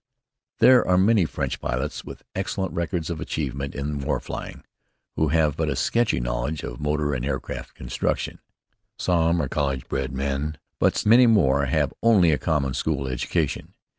There are many French pilots with excellent records of achievement in war flying who have but a sketchy knowledge of motor and aircraft construction. Some are college bred men, but many more have only a common school education.